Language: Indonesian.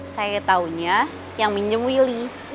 saya tahunya yang minjem willy